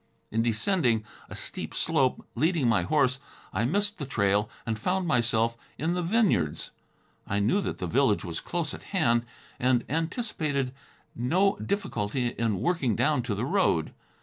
In descending a steep slope, leading my horse, I missed the trail and found myself in the vineyards. I knew that the village was close at hand and anticipated no difficulty in working down to the road.